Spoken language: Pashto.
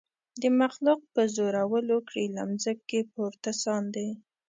د مخلوق په زورولو کړي له مځکي پورته ساندي